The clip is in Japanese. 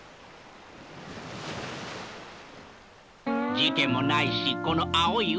事件もないしこの青い海！